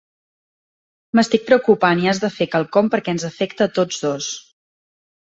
M'estic preocupant i has de fer quelcom perquè ens afecta tots dos.